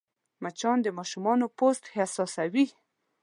مچان د ماشومانو پوست حساسوې